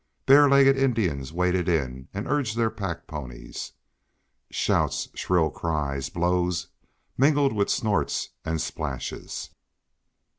Bare legged Indians waded in and urged their pack ponies. Shouts, shrill cries, blows mingled with snorts and splashes.